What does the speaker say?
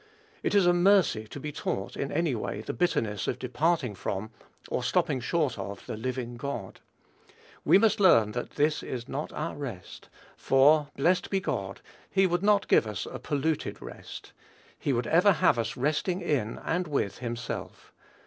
It is a mercy to be taught, in any way, the bitterness of departing from, or stopping short of, the living God. We must learn that this is not our rest; for, blessed be God, he would not give us a polluted rest. He would ever have us resting in, and with himself.